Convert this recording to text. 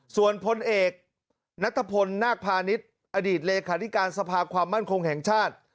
ส่วนพลเอกนัทพลนาคพาณิชย์อดีตเลขาธิการสภาความมั่นคงแห่งชาติ